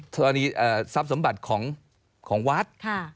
กรณีทรัพย์สมบัติของวัด